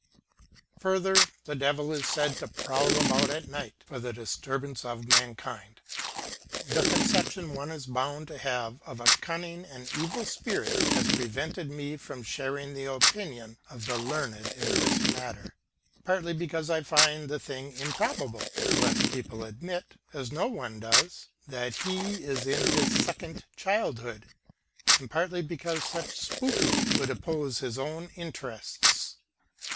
' Further, ihe Devil is said to prowl about at night for the dis turbance of mankind. 'The conception one is bound to have of a cunning and evil spirit has prevented me from sharing the opinion of the learned in this matter; partly because I And the thing improbable, â unless people admit, as no one does, that he is in his second childhood, â and partly because such spooking would oppose his own interests.